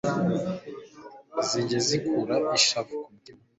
Zijye zikura ishavu ku mutima